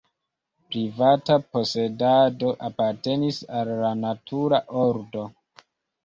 Privata posedado apartenis al la natura ordo.